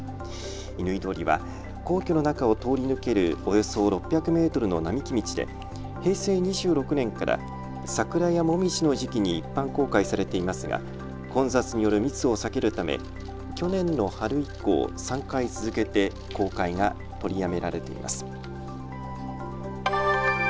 乾通りは皇居の中を通り抜けるおよそ６００メートルの並木道で平成２６年からサクラやモミジの時期に一般公開されていますが混雑による密を避けるため去年の春以降、３回続けて公開が取りやめられています。